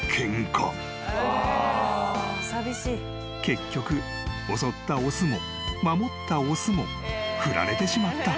［結局襲った雄も守った雄も振られてしまった］